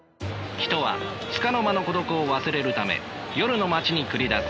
人はつかの間の孤独を忘れるため夜の街に繰り出す。